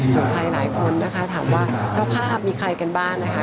ส่วนใครหลายคนนะคะถามว่าเจ้าภาพมีใครกันบ้างนะคะ